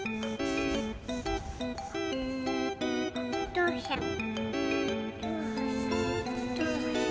ぞうさん。